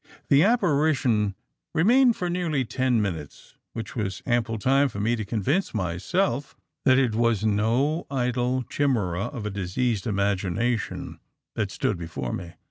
"The apparition remained for nearly ten minutes, which was ample time for me to convince myself that it was no idle chimera of a diseased imagination that stood before me.